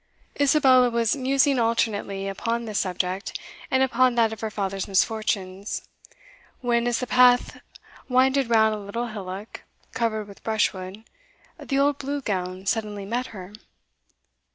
Isabella was musing alternately upon this subject, and upon that of her father's misfortunes, when, as the path winded round a little hillock covered with brushwood, the old Blue Gown suddenly met her.